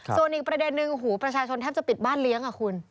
ส่วนอีกประเด็นนึงหูประชาชนแทบจะปิดบ้านเลี้ยงอ่ะคุณ